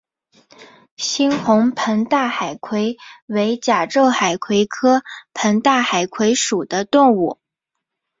猩红膨大海葵为甲胄海葵科膨大海葵属的动物。